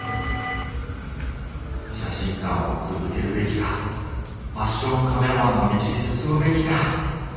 写真館を続けるべきかファッションカメラマンの道に進むべきか。